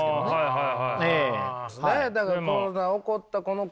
はい。